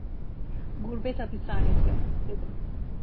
"Gurbet hapishanesi!" dedim…